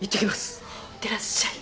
いってらっしゃい。